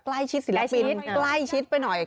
ใกล้ชิดศิลปินใกล้ชิดไปหน่อย